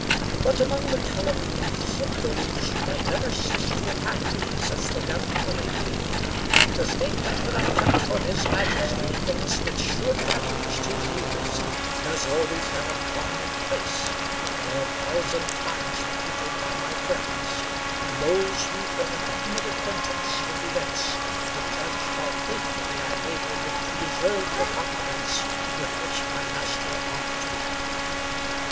But among the calumnies of those who have never ceased to attack me since the death of the late king, the statement that I kept from his majesty things which should have reached his ears has always had a prominent place, though a thousand times refuted by my friends, and those who from an intimate acquaintance with events could judge how faithfully I labored to deserve the confidence with which my master honored me.